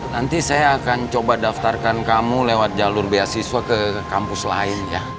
nanti saya akan coba daftarkan kamu lewat jalur beasiswa ke kampus lain